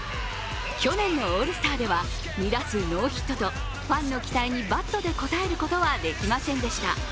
去年のオールスターでは２打数ノーヒットと、ファンの期待にバットで応えることはできませんでした。